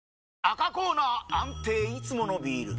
赤コーナー安定いつものビール！